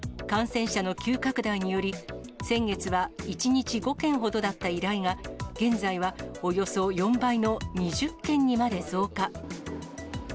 感染者の急拡大により、先月は１日５件ほどだった依頼が現在はおよそ４倍の２０件にまで増加。